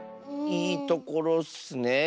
いいところッスね。